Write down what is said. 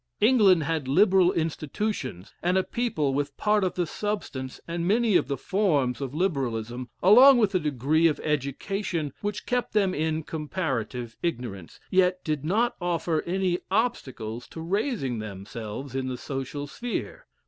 England had liberal institutions, and a people with part of the substance, and many of the forms of Liberalism, along with a degree of education which kept them in comparative ignorance, yet did not offer any obstacles to raising themselves in the social sphere.